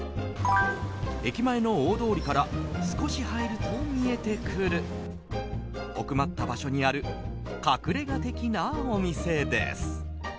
駅前の大通りから少し入ると見えてくる奥まった場所にある隠れ家的なお店です。